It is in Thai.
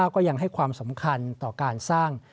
ก็ยังให้ความสำคัญต่อการสร้าง